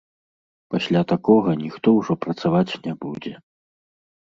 Пасля такога ніхто ўжо працаваць не будзе.